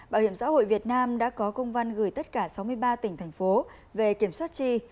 bảo hiểm xã hội việt nam đã có công văn gửi tất cả sáu mươi ba tỉnh thành phố về kiểm soát chi